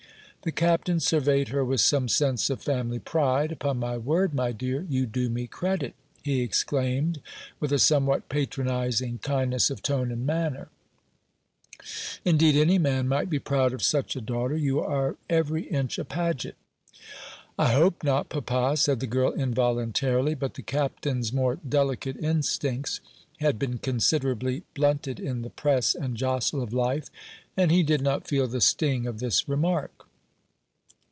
The Captain surveyed her with some sense of family pride. "Upon my word, my dear, you do me credit!" he exclaimed, with a somewhat patronising kindness of tone and manner; "indeed any man might be proud of such a daughter. You are every inch a Paget." "I hope not, papa," said the girl involuntarily; but the Captain's more delicate instincts had been considerably blunted in the press and jostle of life, and he did not feel the sting of this remark.